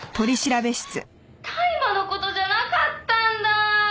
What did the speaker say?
「大麻の事じゃなかったんだ」